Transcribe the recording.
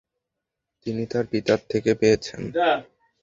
তিনি তার পিতার থেকে পেয়েছেন।